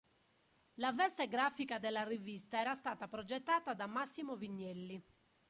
La veste grafica della rivista era stata progettata da Massimo Vignelli.